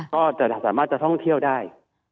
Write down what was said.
ก็จะสามารถจะท่องเที่ยวได้